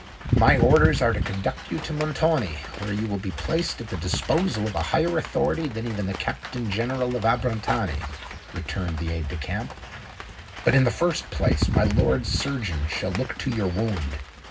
"My orders are to conduct you to Montoni, where you will be placed at the disposal of a higher authority than even the Captain General of Abrantani," returned the aide de camp. "But, in the first place, my lord's surgeon shall look to your wound."